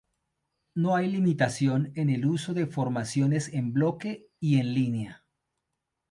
No hay limitación en el uso de formaciones en Bloque y en Línea.